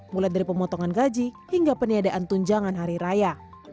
mulai dari pemotongan gaji hingga peniadaan tunjangan hari raya